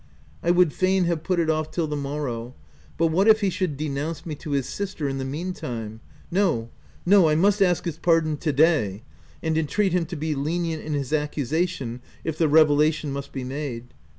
I would fain have put it off till the morrow; but what if he should denounce me to his sister in the mean time ? No, no, I must ask his pardon to day, and in treat him to be lenient in his accusation, if the revelation must be made.